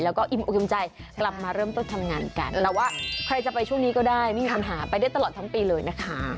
แล้วก็อิ่มอกอิ่มใจกลับมาเริ่มต้นทำงานกันแต่ว่าใครจะไปช่วงนี้ก็ได้ไม่มีปัญหาไปได้ตลอดทั้งปีเลยนะคะ